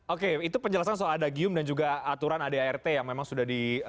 oke itu penjelasan soal adagium dan juga aturan adart yang memang sudah di